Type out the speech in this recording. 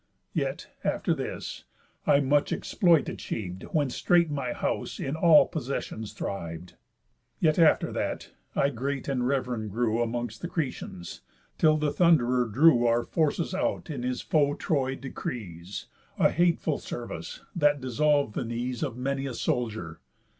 Yet, after this, I much exploit achiev'd, When straight my house in all possessions thriv'd. Yet, after that, I great and rev'rend grew Amongst the Cretans, till the Thund'rer drew Our forces out in his foe Troy decrees; A hateful service that dissolv'd the knees Of many a soldier.